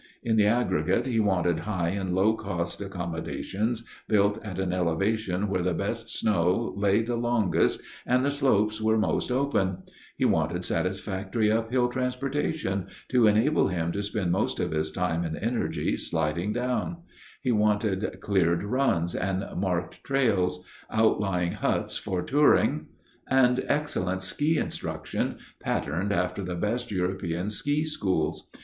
In the aggregate, he wanted high and low cost accommodations built at an elevation where the best snow lay the longest and the slopes were most open; he wanted satisfactory uphill transportation to enable him to spend most of his time and energy sliding down; he wanted cleared runs and marked trails, outlying huts for touring, and excellent ski instruction patterned after the best European ski schools.